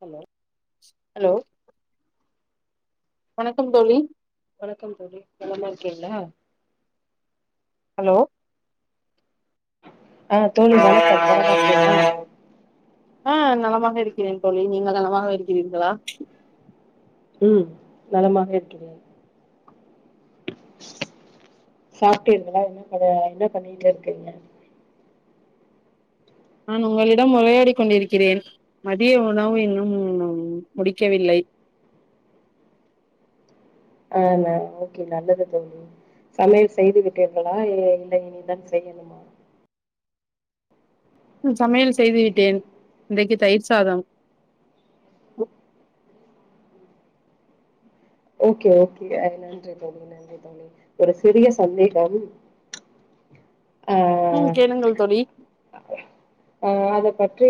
Hello hello வணக்கம் தோழி வணக்கம் தோழி நலமா இருக்கீங்ளா ஹலோ ஆ தோழி வணக்கம் நலமா இருக்கீங்ளா ஆ நலமாக இருக்கிறேன் தோழி நீங்கள் நலமாக இருக்கிறீர்களா ம் நலமாக இருக்கிறேன் சாப்ட்டீர்களா என்னக் கத என்னப் பண்ணீனுருக்கிங்க நான் உங்களிடம் உரையாடிக் கொண்டிருக்கிறேன் மதிய உணவு இன்னும் முடிக்கவில்லை ஆன ஓகே நல்லது தோழி சமையல் செய்து விட்டீர்களா எ இல்ல இனிதான் செய்யணும் ம் சமையல் செய்து விட்டேன் இன்றைக்கு தயிர் சாதம் ஓகே ஓகே அ நன்றி தோழி ந நன்றி தோழி ஒரு சிறிய சந்தேகம் ஆ ம் கேளுங்கள் தோழி ஆ அதப் பற்றி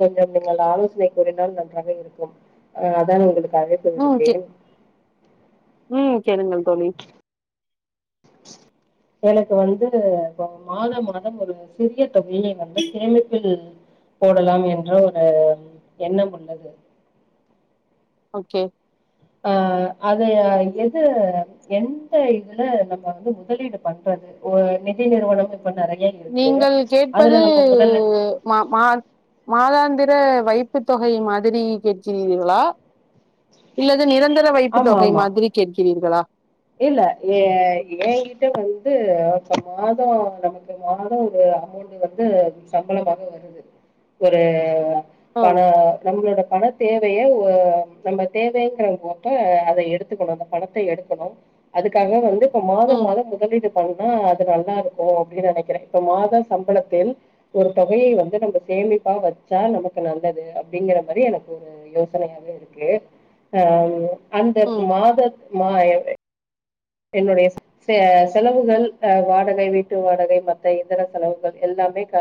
கொஞ்சம் நீங்கள் ஆலோசனை கூறினால் நன்றாக இருக்கும் ஆ அதான் உங்களுக்கு அழைப் ஆ ஓகே ம் கேளுங்கள் தோழி எனக்கு வந்து இப்போ மாதம் மாதம் ஒரு சிறிய தொகையை வந்து சேமிப்பில் போடலாம் என்ற ஒரு எண்ணம் உள்ளது ஓகே அ அத எது எந்த இதுல நம்ம வந்து முதலீடுப் பண்றது ஓ நிதி நிறுவனம் இப்ப நெறைய நீங்கள் கேட்பது மா மாத் மாதாந்திர வைப்புத் தொகை மாதிரி கேட்கிறீர்களா இல்லது நிரந்தர வைப்புத் ஆமா தொகை ஆமா மாதிரி கேட்கிறீர்களா இல்ல எ ஏங்கிட்ட வந்து இப்ப மாதோ நமக்கு மாதோ ஒரு அமௌண்ட் டு வந்து சம்பளமாக வருது ஒரு ம் பணோ நம்ளோட பணத் தேவைய ஒ அம் நம்ம தேவைங்கிற ஓ அப்ப அத எடுத்துக்கணு அந்த பணத்த எடுக்கணும் அதுக்காக வந்து இப்ப மாதம் ம் மாதம் முதலீடு பண்ணா அது நல்லா இருக்கு அப்டின் நெனைக்கிறே இப்ப மாதோ சம்பளத்தில் ஒரு தொகையை வந்து நம்ப சேமிப்பா வச்சா நமக்கு நல்லது அப்டிங்கிற மாரி எனக்கு ஒரு அ யோசனையாவே இருக்கு அ அந்த ம் மாதத் மாயம் என்னுடையச செ செலவுகள் அ வாடகை வீட்டு வாடகை மத்த எந்திர செலவுகள் எல்லாமே க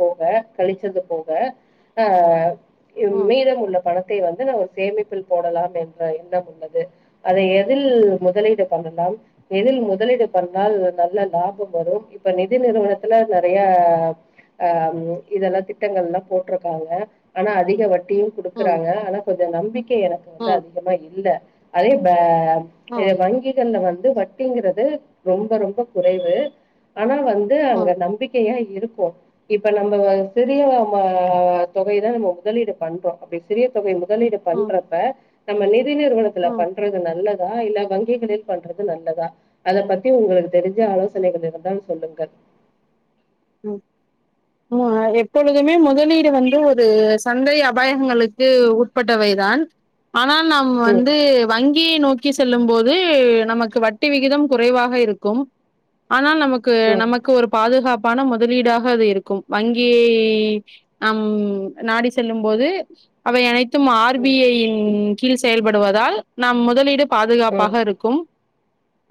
போக கழிச்சது போக ஆ ம் மீதம் உள்ள பணத் தை வந்து சேமிப்பில் போடலாம் என்ற எண்ணம் உள்ளது அதை எதில் முதலீடு பண்ற லாம் எதில் முதலீடு பண்ணால் நல்ல லாபம் வரும் இப்ப நிதி நிறுவனத்துல நெறையா ஆ இதெல்லா திட்டங்கள்லா போட்ருக்காங்க ஆனா அதிக வட்டியும் ம் குடுக்குறாங்க ஆனா கொஞ்ச நம்பிக்கை எனக்கு வந்து ம் அதிகமா இல்ல அதே பே ம் வங்கிகள்ல வந்து வட்டிங்கிறது ரொம்ப ரொம்ப குறைவு ஆனா வந் து அங்க ம் நம்பிக்கையா இருக்கு இப்ப நம்ம வந்து பிரிய மா தொகை தா நம்ம முதலீடு பண்றோ அப்டி சிறிய தொகை முதலீடு ம் பண்றப்ப நம்ம நிதி நிறுவனத்தில ம் பண்றது நல்லதா இல்ல வங்கிகளில் பண்றது நல்லதா அத பத்தி உங்களுக்கு தெரிஞ்ச ஆலோசனைகள் இருந்தால் சொல்லுங்க ம் ம் எ எப்பொழுதுமே முதலீடு வந்து ஒரு சந்தை அபாயகங்களுக்கு உட்பட்டவைதான் ஆனால் நம் ம் வந்து வங்கியை நோக்கி செல்லும் போது நமக்கு வட்டி விகிதம் குறைவாக இருக்கும் ஆனால் நமக்கு ம் நமக்கு ஒரு பாதுகாப் பான முதலீடாக அது இருக்கும் வங்கி நம் நாடி செல்லும் போது அவை அனைத்தும் ஆர் பி ம் ஐ யின் கீழ் செயல்படுவதால் நாம் முதலீடு ம் பாதுகாப்பாக இருக் கும்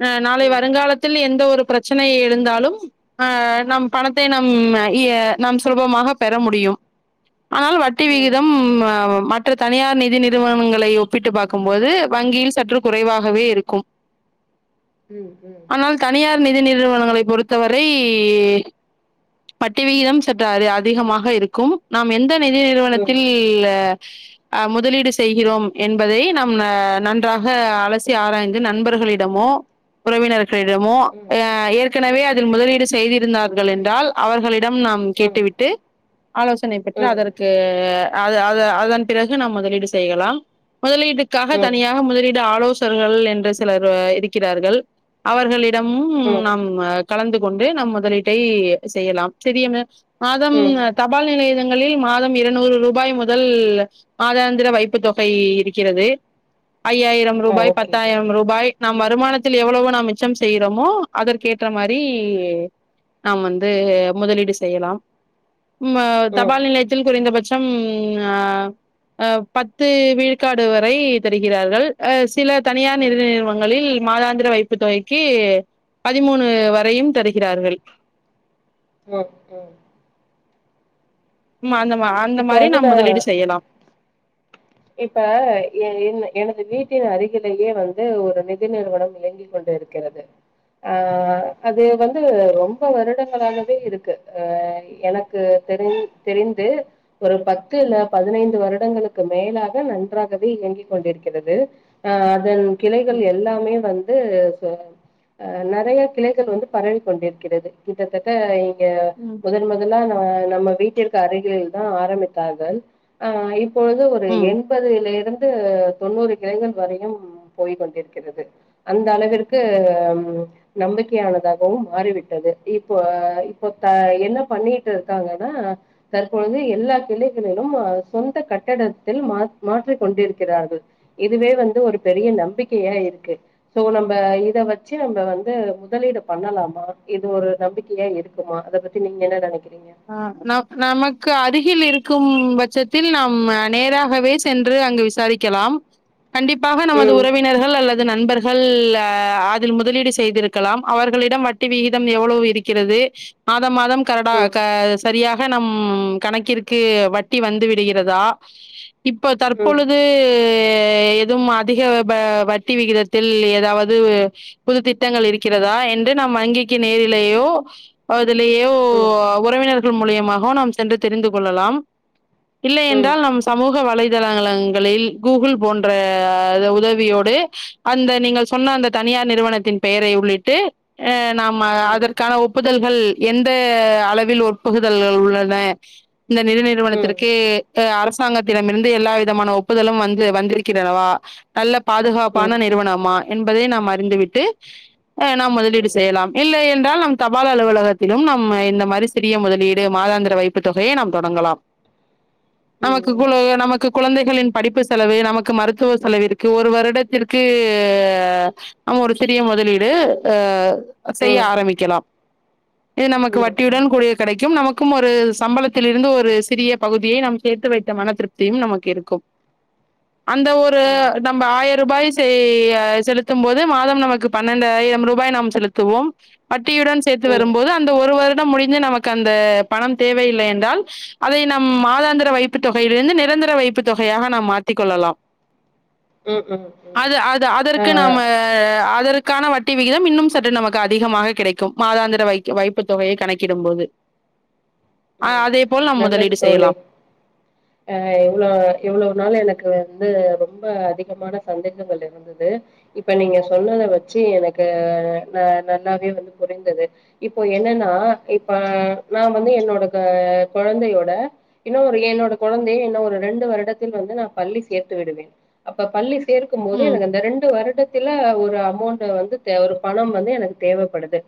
அ நாளை ம் வருங்காலத்தில் எந்த ஒரு பிரச் சனை இருந்தாலும் அ நம் பணத்தை நம் இய நாம் சுலபமாக பெற முடியும் ஆனால் வட்டி ம் விகிதம் ம ற்ற தனியார் நிதி நிறுவனங்களை ஒப்பிட்டு பாக்கும்போது வங்கியில் சற்று குறைவாகவே இருக்கும் ம் ம் ஆனால் தனியார் நிதி நிறுவனங்களை பொறுத்தவரை வட்டி விகிதம் சற்று அ அதிகமாக இருக்கும் நாம் எந்த நிதி ம் ம் நிறுவனத்தில் அ முதலீடு செய்கிறோம் என்பதை நம்ம நன்றாக அலசி ஆராய்ந்து நண்பர்களி டமோ உறவினர் களிடமோ ம் அ ஏற்கனவே அதில் முதலீடு செய்திருந்தார்கள் என்றால் அவர்களிடம் நாம் கேட்டு விட்டு ஆலோசனை பெற்று ம் அதற்கு அத அத அதன் பிறகு நாம் முதலீடு செய்யலாம் முதலீட்டுக்காக ம் தனியாக முதலீடு ஆலோசகர்கள் என்று சிலர் இருக்கிறார்கள் அவர்களி டமும் ம் நாம் கலந்து கொண்டு நம் முதலீட்டை செய்யலாம் செரியங்க மாதம் ம் தபால் நிலையங்களில் மாதம் இருநூறு ரூபாய் முதல் மாதாந்திர வைப்பு தொகை இருக்கிறது ஐயாயிரம் ஆ ரூபாய் ஓகே தோழி. பத்தாயிரம் ரூபாய் நம் வருமானத்தில் எவ்வளவு நாம் மிச்சம் செய்யகிறோமோ அதற் கேற்ற மாரி நாம் வந்து முதலீடு செய்யலாம் ம் ம் தபால் நிலையத் தில் குறைந்தபட்சம் அ அ பத்து விழுக்காடு வரை தருகிறார்கள் அ சில தனியார் நிதி ம் நிறுவனங்களில் மாதாந்திர வைப் பு தொகைக்கு பதிமூணு வரையும் தருகிறார்கள் ஓ ஹோ ம் அந்த மா அந்த இப்ப மாரி வந்து நம் முதலீடு நான் செய்யலாம் இப்ப எ என் எனது வீட்டின் அருகிலேயே வந்து ஒரு நிதி நிறுவனம் இயங்கி கொண்டிருக் கிறது ஆ அது வந்து ரொம்ப வருடங்களாகவே இருக்கு ஆ எனக் து தெரிந் தெரிந்து ஒரு பத்து இல்ல பதினைந்து வருடங்களுக்கு மேலாக நன்றாகவே இயங்கிக் கொண்டிருக்கிறது ஆ அதன் கிளைகள் எல்லாமே வந்து சு அ நெறைய கிளைகள் வந்து பரவி கொண்டிருக்கிறது கிட்டத்தட்ட இங்க ம் முதல் முதல்ல நா நம்ம வீட்டிற்கு அருகில் தா ஆரம்பித்தார்கள் அ இப்ப வந்து ஒ ரு ம். எண்பதுல இருந்து தொண்ணூறு கிளைகள் வரையும் போய் கொண்டிருக்கிறது அந்த அளவிற்கு நம்பிக்கையானதாகவும் மாறிவிட்டது இப்போ இப்போ ப என்ன பண்ணிட்டு இருக்காங்கன்னா தற்பொழுது எல்லா கிளைகளிலும் சொந்த கட்டட த்தில் மாற் மாற்றி கொண்டிருக்கிறார்கள் இதுவே வந்து ஒரு பெரிய நம்பிக்கையா இருக்கு சோ நம்ம இத வெச்சு நம்ம வந்து முதலீடு பண்ணலாமா இது ஒரு நம்பிக்கையா இருக் குமா அத பத்தி நீங்க என்ன நெனைக்கிறீங்க அ ந நமக்கு அருகில் இருக்கும் பட்சத்தில் நாம் நேராகவே சென்று அங்கு விசாரி க்கலாம் கண்டிப்பாக நமது ம் உறவி னர்கள் அல்லது நண்பர்கள் அதில் முதலீடு செய்திருக்கலாம் அவர்களிடம் வட் டி விகிதம் எவ்வளவு இருக்கிறது மாத மாதம் கரடா ம் க சரியாக நம் கணக்கிற்கு வட்டி வந்து விடுகிறதா இப்ப ம் தற்பொழுது எ எதுவும் அதிக வ வட்டி விகிதத்தில் ஏதாவது புது திட்டங்கள் இருக்கிறதா என்று நம் வங்கிக்கு நேரிலேயோ அதுலேயோ ம் உறவினர்கள் மூலியமாகவு நாம் சென்று தெரிந்து கொள்ளலாம் இல்லை ம் என்றால் நம் சமூக வலைதளங்களங்களில் கூகுள் போன்ற உதவியோடு அந்த நீங்க சொன்ன அந்த தனியார் நிறுவனத்தின் பெயரை உள்ளிட்டு ஆ நாம ம் அதற்கான ஒப்புதல்கள் எந்த அள வில் ஒப்புகுதல்கள் உள்ளன இந்த நிதி ம் நிறுவனத்திற்கு அ அரசாங்கத்திடமிருந்து எல்லா விதமான ஒப்புதலும் வந்து வந்திருக்கிதளவா நல்ல ம் ம் ம் பாதுகாப்பான நிறுவனமா என்பதை நாம் அறிந்துவிட்டு அ நாம் முதலீடு செய்யலாம் இல்லை என்றால் நம் தபால் அலுவலகத்திலும் நம் இந்த மாரி சிறிய முதலீடு மாதாந்திர வைப்பு தொகையை நாம் தொடங்கலாம் நமக்கு ம் குழு நமக்கு குழந்தைகளின் படிப்பு செலவு நமக்கு மருத்துவ செலவு இருக்கு ஒரு வருடத்திற்கு அ ஒரு சிறிய முதலீடு ஆ செய்ய ம் ஆரம்பிக்கலாம் இது நமக்கு ம் வட்டியுடன் கூடிய கெடைக்கும் நமக்கும் ஒரு சம்பளத்தில் இருந்து ஒரு சிறிய பகுதியை நாம் சேர்த்து வைத்த மன திருப்தியும் நமக்கு இருக்கும் அந்த ஒரு ம் நம்ம ஆயரூபாய் செ செலுத்தும் போது மாதம் நமக்கு பன்னெண்டாயிரம் ரூபாய் நாம் செலுத்துவோம் வட்டியுடன் சேத்து ம் ம் வரும்போது அந்த ஒரு வருடம் முடிஞ்சு நமக்கு அந்த பணம் தேவையில்லை என்றால் அதை நம் மாதாந்திர வைப்பு தொகையிலிருந்து நிரந்தர வைப்பு தொகையாக நாம் மாத்தி கொள்ளலாம் ம் ம் ம் அது அது ஆ அதற்கு நாம அ அதற்கான வட்டி விகிதம் இன்னும் சற்று நமக்கு அதிகமாக கிடைக்கும் மாதாந்திர வைக்கு வைப்பு தொகையை கணக் கிடும்போது ஆ ம் அதே போல் நாம் நல்லது முதலீடு தோழி செய்யலாம் அ இவ்ளோ இவ்வளோ நாள் எனக்கு வந்து ரொம்ப அதிகமான சந்தேகங்கள் இரு ந்துது இப்ப நீங்க சொன்னத ம். வெச்சி எனக்கு நா நல்லாவே வந்து புரிந்தது இப்போ என்னன்னா இப்ப நா வந்து என்னோட கொழந்தையோட இன்னு ஒரு என்னோட கொழந்தைய என்ன ஒரு ரெண்டு வருடத்தில் வந்து நா பள்ளி சேர்த்து விடுவேன் அப்ப பள்ளி சேர்க்கும் போது ம். எனக்கு அந்த ரெண்டு வருடத் துல ஒரு அமௌண்ட் வந்து தேவ ஒரு பணம் வந்து எனக்கு தேவப்படுது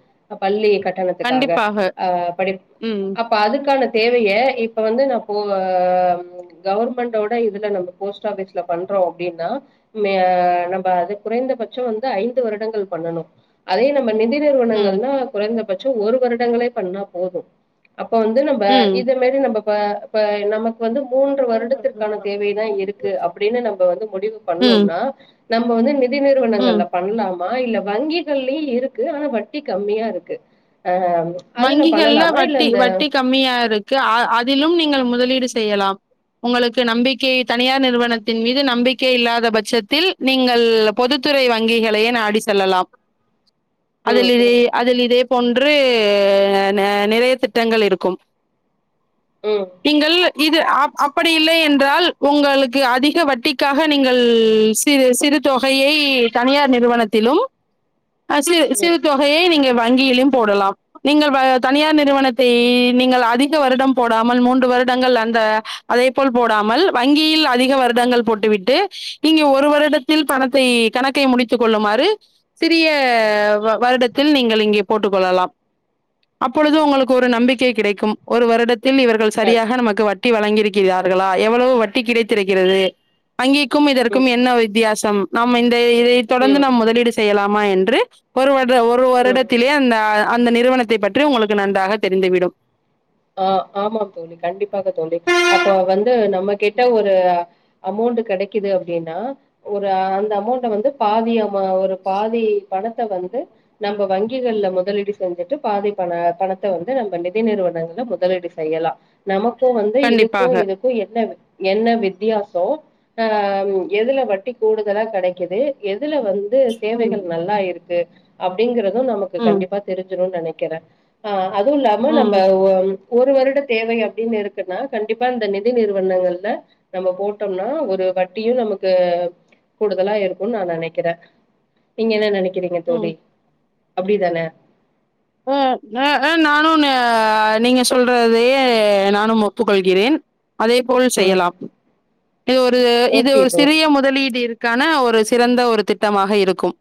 பள்ளி கட்டணத்துக்காக கண்டிப்பாக. ஆ படிப் ம் இப்ப அதுக்கான தேவைய இப்ப வந்து நா போ ஆ கவர்மெண்டோட இதுல நம்ப போஸ்ட் ஆபிஸ்ல பண்றோ அப்டீன்னா மே ஆ நம்ம அது குறைந்தபட்சோ வந்து ஐந்து வருடங்கள் பண்ணணோ அதே நம்ம நிதி ம். நிறுவனங்கள்னா குறைந்தபட்சோ ஒரு வருடங்களே பண்ணா போதோ அப்ப வந்து நம்ப ம். இத மாரி நம்ப ப ப நமக்கு வந்து மூன்று வருடத்திற்கான தேவைதா இருக் கு அப்டீன்னு நம்ம வந்து முடிவு ம், பண்ணோம்னா நம்ம வந்து நிதி ம். நிறுவனங்கள்ல பண்லா மா இல்ல வங்கிகள்லயு இருக்கு ஆனா வட்டி கம்மியா இருக்கு ஆ அதுல வங்கிகள்ல பண்ணலாமா இல்ல வட்டி இந்த வட்டி கம்மியா இருக்கு அ அதிலும் நீங்கள் முதலீடு செய்யலாம் உங்களுக்கு நம்பிக்கை தனியார் நிறுவனத்தின் மீது நம்பிக்கை இல்லாத பட்சத்தில் நீங்கள் பொதுத்துறை வங்கிகளையே நாடி செல்லலாம் [inaudible] அதிலே ம் அதில் இதே போன்று ந நிறைய திட்டங்கள் இருக்கும் உம் நீங்கள் இது அப் அப்புடி இல்லை என்றால் உங்களுக்கு அதிக வட்டிக்காக நீங்கள் சிறு சிறு தொகையை தனியார் நிறுவனத்திலும் [inaudible] ஆ சிறு ம் சிறு ம் தொகையை நீங்க வங்கியிலும் போடலாம் நீங்கள் வ தனியார் நிறுவனத்தை நீங்கள் அதிக வருடம் போடாமல் மூன்று வருடங்கள் அந்த அதே போல் போடாமல் வங்கியில் அதிக வருடங்கள் போட்டுவிட்டு இங்கே ஒரு வருடத் தில் பணத்தை கணக்கை முடித்து கொள்ளுமாறு சிறிய வ வருடத்தில் நீங்கள் இங்கே போட்டுக் கொள்ளலாம் அப்பொழுது உங்களுக்கு ஒரு நம்பிக்கை கிடைக்கும் ஒரு வருடத்தில் இவர்கள் க- சரியாக நமக்கு வட் டி வழங்கியிருக்கிறார்களா எவ்வளோ வட்டி கிடைத்திருக்கிறது வங்கிக்கும் இதற்கும் ம் என்ன வித்தியாசம் நம் இந்த இதை தொடர்ந்து ம் நாம் முதலீடு செய்யலாமா என்று ஒரு வருட ஒரு ம் ம் வருடத்திலே அந்த அந்த நிறுவனத்தை பற்றி உங்களுக்கு நன்றாக தெரிந்துவிடும் ஆ ஆமாம் தோழி கண்டிப்பாக தோழி அப்போ வந்து நம்ம கிட்ட ஒரு அமௌண்ட் கெடைக்குது அப்டீன்னா ஒரு அந்த அமௌண்ட வந்து பாதி ஆமா ஒரு பாதி பணத்த வந்து நம்ம வங்கிகள்ல முதலீடு செஞ்சுட்டு பாதி பண பணத்த வந்து நம்ம நிதி நிறுவனங்கள்ல முதலீடு செய்யலா நமக்கோ வந்து இதுக்கு கண்டிப்பாக. இதுக்கு என்ன என்ன வித்தியாசோ ஆ எதுல வட்டி கூடுதலா கெடைக்குது எதுல வந் து ம். சேவைகள் நல்லா இருக்கு அப்படிங்கறதும் நமக்கு ம். கண்டிப்பா தெரிஞ்சுறோனு நெனைக்கிறே ஆ அதுவு இல்லாம நம்ம ம். ஒ ம் ஒரு வருட தேவை அப்டீன்னு இருக்குன்னா கண்டிப்பா இந்த நிதி நிறுவனங்கள்ல நம்ம போட்டோம்னா ஒரு வட்டியு நமக்கு கூடுதலா இருக்கோனு நா நெனைக்கிறே நீங்க என்ன நெனைக்கிறீங்க ம். தோழி அப்படி தான ஓ அ ஆ நானு நா நீங்க சொல்றதையே நானும் ஒப்புக்கொள்கிறேன் அதே போல் ம் செய்யலாம் இது ஒரு இது ஓகே ஒரு தோ சிறிய முதலீடு இருக் கான ஒரு சிறந்த ஒரு திட்டமாக இருக்கும்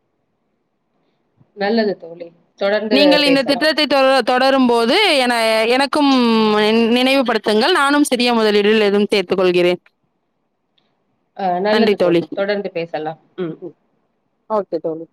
நல்லது தோழி தொடர்ந்து நீங்கள் இந்த பேசலாம் திட்டத்தை தொ தொடரும்போது என எனக்கு நினைவுபடுத்துங்கள் நானும் சிறிய முதலீடுகள் எதும் ஏத்துகொள்கிறே அ நல்லது தோழி தொடர்ந்து பேசலாம் ம் ஓகே தோழி